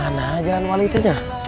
mana jalan waletnya